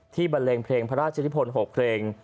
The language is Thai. ที่บรรเลงเพลงพระราชนิพนธ์๖เครง